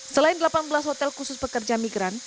selain delapan belas hotel khusus pekerja migran